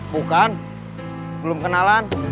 bukan belum kenalan